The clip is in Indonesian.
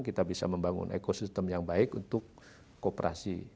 kita bisa membangun ekosistem yang baik untuk kooperasi